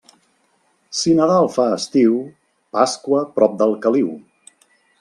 Si Nadal fa estiu, Pasqua prop del caliu.